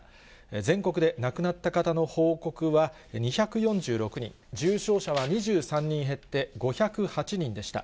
全国で亡くなった方の報告は２４６人、重症者は２３人減って５０８人でした。